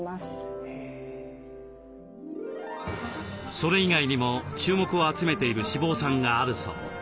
それ以外にも注目を集めている脂肪酸があるそう。